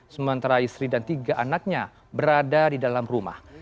sementara istri dan tiga anaknya berada di dalam rumah